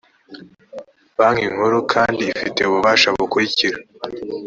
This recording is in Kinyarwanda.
banki nkuru kandi ifite ububasha bukurikira